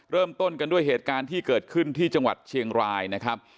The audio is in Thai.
เริ่มต้นกันด้วยเหตุการณ์ที่เกิดขึ้นที่จังหวัดเชียงรายนะครับ